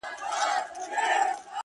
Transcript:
• گوره را گوره وه شپوږمۍ ته گوره ـ